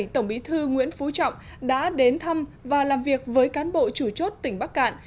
tổng bí thư nguyễn phú trọng đã đến thăm và làm việc với cán bộ chủ chốt tỉnh bắc cạn